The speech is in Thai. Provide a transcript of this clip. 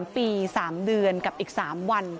๓ปี๓เดือนกับอีก๓วัน